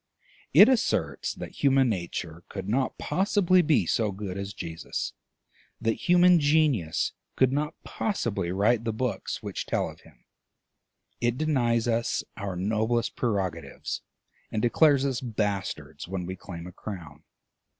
It asserts that human nature could not possibly be so good as Jesus, that human genius could not possibly write the books which tell of him; it denies us our noblest prerogatives, and declares us bastards when we claim a crown.